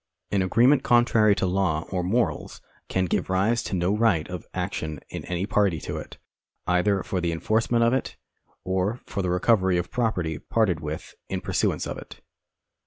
An agreement contrary to law or morals can give rise to no right of action in any party to it, either for the enforcement of it, or for the recovery of property parted with in pursuance of it.